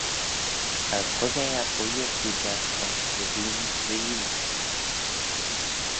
As hug eh ad ooilley cooidjagh ayns pryssoon three laa.